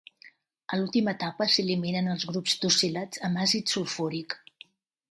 A l'última etapa s'eliminen els grups tosilats amb àcid sulfúric.